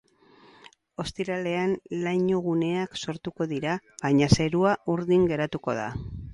Ostiralean lainoguneak sortuko dira baina zerua urdin geratuko da.